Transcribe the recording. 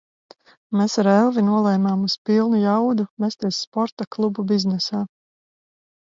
Mēs ar Elvi nolēmām uz pilnu jaudu mesties sporta klubu biznesā.